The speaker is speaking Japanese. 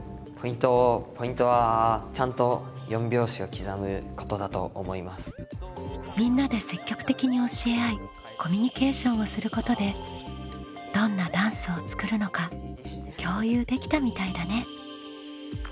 ポイントはみんなで積極的に教え合いコミュニケーションをすることでどんなダンスを作るのか共有できたみたいだね。